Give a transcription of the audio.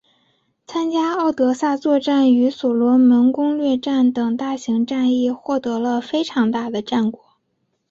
参加敖德萨作战与所罗门攻略战等大型战役获得了非常大的战果。